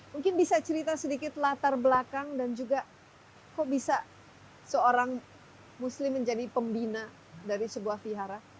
mungkin bisa cerita sedikit latar belakang dan juga kok bisa seorang muslim menjadi pembina dari sebuah vihara